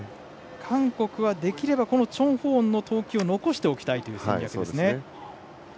韓国はできればチョン・ホウォンの投球を残しておきたいという戦略ですね。